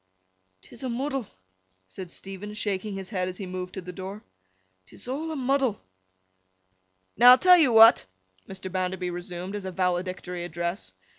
''Tis a muddle,' said Stephen, shaking his head as he moved to the door. ''Tis a' a muddle!' 'Now, I'll tell you what!' Mr. Bounderby resumed, as a valedictory address.